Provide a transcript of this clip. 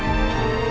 saya sudah menang